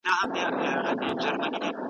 جارج واټسن د لارښود استاد دندې بیانوي.